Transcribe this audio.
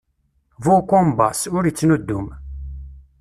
Bu ukumbaṣ ur ittnuddum.